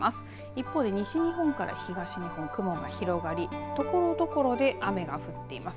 一方で西日本から東日本雲が広がりところどころで雨が降っています。